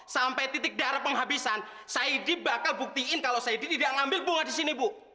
sampai titik darah penghabisan saidi bakal buktiin kalau saidi tidak ngambil bunga di sini bu